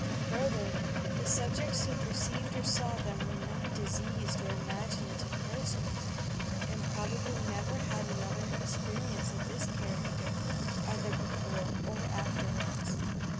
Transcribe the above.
Further, the subjects who perceived or saw them were not diseased or imaginative persona, and probably never had another experience of this char acter either before or afterwards.